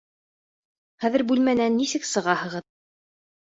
Хәҙер бүлмәнән нисек сығаһығыҙ?